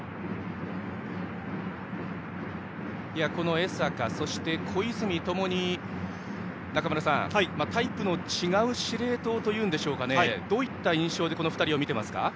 江坂、小泉ともに中村さん、タイプの違う司令塔といいますかどういった印象でこの２人を見ていますか。